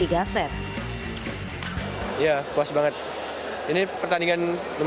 ya soalnya semua negara ikut dipilih dari negara sih